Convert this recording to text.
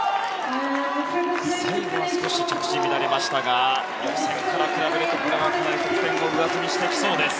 最後は少し着地、乱れましたが予選から比べると、かなり得点を上積みしてきそうです。